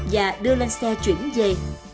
và đưa lên xe chuyển về